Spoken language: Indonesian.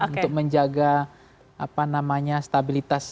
untuk menjaga apa namanya stabilitas